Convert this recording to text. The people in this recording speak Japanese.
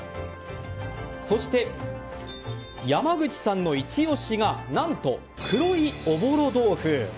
そして、山口さんのイチ押しが何と黒いおぼろ豆腐。